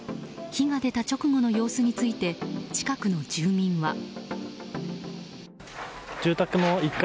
火が出た直後の様子について近くの住民は。